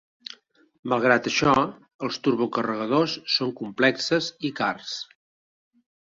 Malgrat això, els turbo-carregadors són complexes i cars.